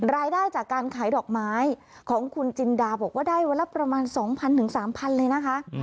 รายได้จากการขายดอกไม้ของคุณจินดาบอกว่าได้วันละประมาณ๒๐๐๓๐๐เลยนะคะ